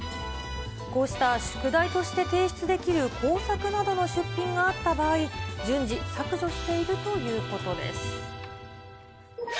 こうした宿題として提出できる工作などの出品があった場合、順次、削除しているということです。